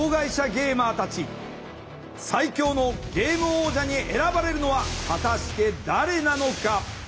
最強のゲーム王者に選ばれるのは果たして誰なのか？